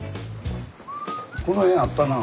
この辺あったなあ。